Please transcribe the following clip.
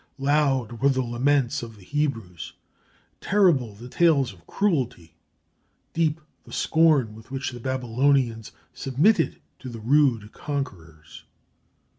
Loud were the laments of the Hebrews; terrible the tales of cruelty; deep the scorn with which the Babylonians submitted to the rude conquerors.